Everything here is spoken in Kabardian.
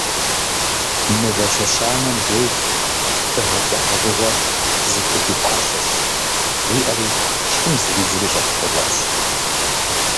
«Мывэ чэщанэм деж дыгъэ къухьэжыгъуэр зыхудипӏалъэщ», жиӏэри, шым зридзыри щӏэпхъуэжащ.